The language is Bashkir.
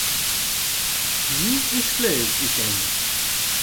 Ни эшләйек икән?